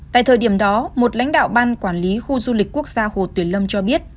tại thời điểm đó một lãnh đạo ban quản lý khu du lịch quốc gia hồ tuyền lâm cho biết